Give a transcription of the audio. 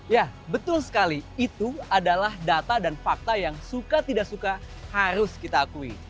ya betul sekali itu adalah data dan fakta yang suka tidak suka harus kita akui